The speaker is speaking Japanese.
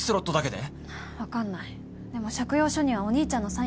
でも借用書にはお兄ちゃんのサインがあったから。